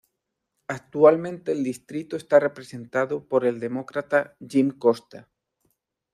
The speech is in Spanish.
Actualmente el distrito está representado por el Demócrata Jim Costa.